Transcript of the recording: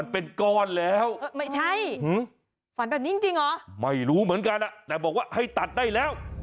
เป็นก้อนแล้วไม่ใช่ฝันแบบนี้จริงเหรอไม่รู้เหมือนกันแต่บอกว่าให้ตัดได้แล้ว